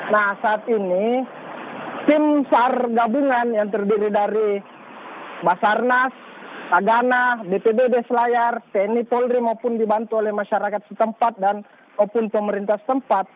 nah saat ini tim sar gabungan yang terdiri dari basarnas tagana bpbd selayar tni polri maupun dibantu oleh masyarakat setempat dan maupun pemerintah tempat